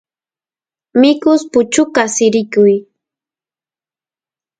mikus puchukas sirikuy